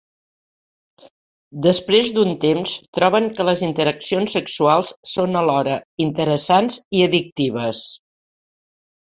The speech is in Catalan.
Després d'un temps, troben que les interaccions sexuals són alhora interessants i addictives.